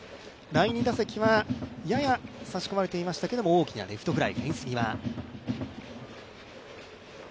第２打席は、やや差し込まれていましたけれども、大きなレフトフライ、フェンス際。